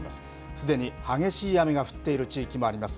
すでに激しい雨が降っている地域もあります。